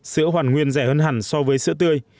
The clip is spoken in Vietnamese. sữa hoàn nguyên rẻ hơn hẳn so với sữa tươi